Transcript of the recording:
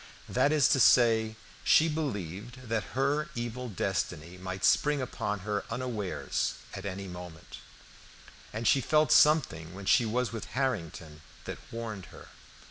That is to say, she believed that her evil destiny might spring upon her unawares at any moment, and she felt something when she was with Harrington that warned her.